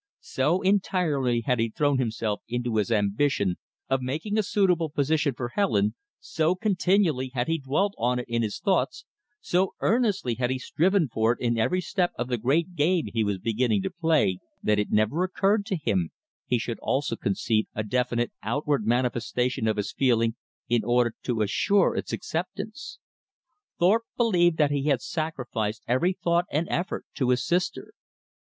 So entirely had he thrown himself into his ambition of making a suitable position for Helen, so continually had he dwelt on it in his thoughts, so earnestly had he striven for it in every step of the great game he was beginning to play, that it never occurred to him he should also concede a definite outward manifestation of his feeling in order to assure its acceptance. Thorpe believed that he had sacrificed every thought and effort to his sister.